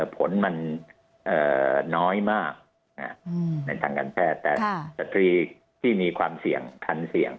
ผลมันน้อยมากในทางการแพทย์แต่สตรีที่มีความเสี่ยงคันเสี่ยง